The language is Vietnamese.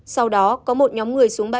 sau đó có một nhóm người xuống bãi